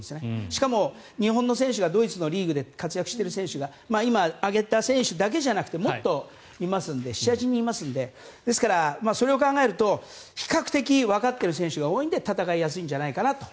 しかも、日本の選手がドイツのリーグで活躍している選手が今、挙げた選手だけじゃなくてもっといますので７８人いますのでですからそれを考えると比較的わかっている選手が多いので戦いやすいんじゃないかと。